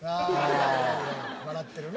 笑ってるね。